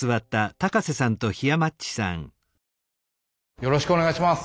よろしくお願いします！